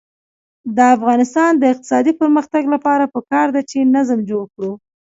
د افغانستان د اقتصادي پرمختګ لپاره پکار ده چې نظم جوړ کړو.